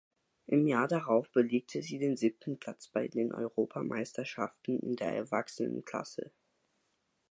Im Jahr darauf belegte sie den siebten Platz bei den Europameisterschaften in der Erwachsenenklasse.